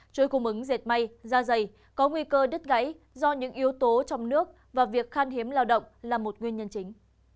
chuỗi cung ứng dệt may da dày có nguy cơ đứt gãy do những yếu tố trong nước và việc khan hiếm lao động là một nguyên nhân chính